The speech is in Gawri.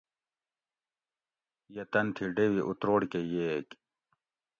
یہ تن تھی ڈیوی اتروڑ کہ ییگ